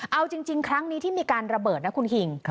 เอาจริงครั้งนี้ที่มีการระเบิดนะคุณคิง